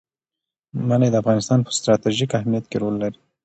منی د افغانستان په ستراتیژیک اهمیت کې رول لري.